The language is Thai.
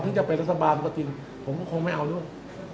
พี่จะไปรัฐบาลก็จริงผมก็คงไม่เอาด้วย